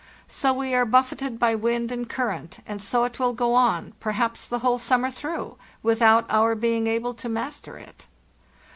So we are buffeted by wind and current, and so it will go on, perhaps, the whole sum mer through, without our being able to master it."